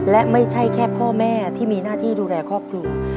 และไม่ใช่แค่พ่อแม่ที่มีหน้าที่ดูแลครอบครัว